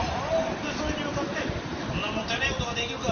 それに向かって「そんなもったいないことができるか！